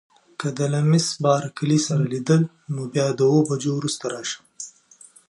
که دې له میس بارکلي سره لیدل نو بیا د اوو بجو وروسته راشه.